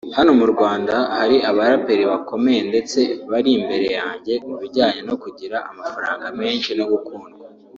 hano mu Rwanda hari abaraperi bakomeye ndetse bari imbere yanjye mu bijyanye no kugira amafaranga menshi no gukundwa